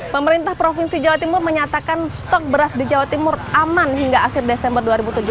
pemerintah provinsi jawa timur menyatakan stok beras di jawa timur aman hingga akhir desember dua ribu tujuh belas